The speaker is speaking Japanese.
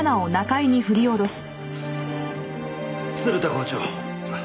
鶴田校長。